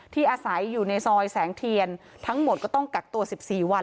อาศัยอยู่ในซอยแสงเทียนทั้งหมดก็ต้องกักตัว๑๔วัน